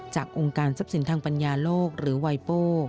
องค์การทรัพย์สินทางปัญญาโลกหรือไวโป้